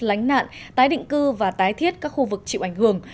lánh nạn tái định cư và tái thiết các khu vực chịu ảnh hưởng